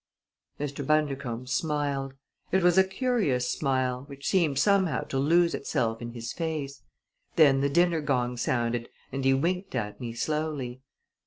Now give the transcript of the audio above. Mr. Bundercombe smiled. It was a curious smile, which seemed somehow to lose itself in his face. Then the dinner gong sounded and he winked at me slowly.